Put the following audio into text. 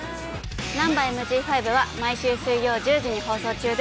『ナンバＭＧ５』は毎週水曜１０時に放送中です。